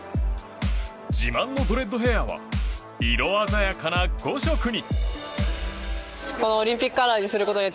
自慢のドレッドヘアは色鮮やかな５色に。